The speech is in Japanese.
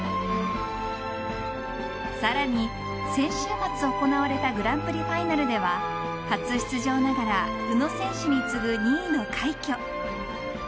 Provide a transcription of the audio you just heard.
さらに先週末行われたグランプリファイナルでは初出場ながら宇野選手に次ぐ２位の快挙。